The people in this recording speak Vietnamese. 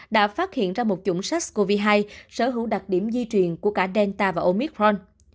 đã phát hiện ra một chủng sars cov hai sở hữu đặc điểm di truyền của cả delta và omicron